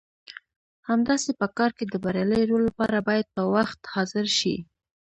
همداسې په کار کې د بریالي رول لپاره باید په وخت حاضر شئ.